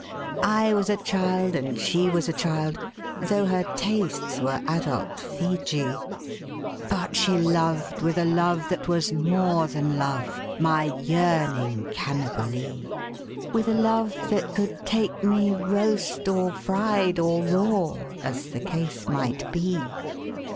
I was a child, and she was a child — Tho' her tastes were adult Feejee — But she loved with a love that was more than love, My yearning Cannibalee; With a love that could take me roast or fried Or raw, as the case might be.